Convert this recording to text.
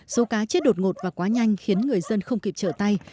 số cá chết đột ngột và quá nhanh khiến người dân không kịp trở tay